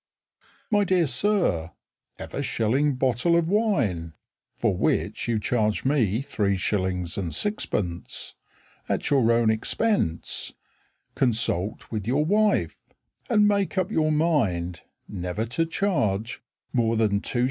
My dear Sir, Have a shilling bottle of wine (For which you charge me 3s. 6d.) At your own expense, Consult with your wife, And make up your mind Never to charge More than 2s.